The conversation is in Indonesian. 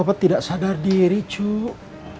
apa tidak sadar diri cuk